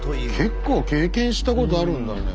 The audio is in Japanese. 結構経験したことあるんだね。